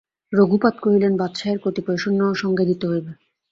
রঘুপতি কহিলেন, বাদশাহের কতিপয় সৈন্যও সঙ্গে দিতে হইবে।